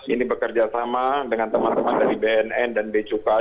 ini bekerja sama dengan teman teman dari bnn dan becukai